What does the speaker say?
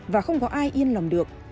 và không có ai yên lòng được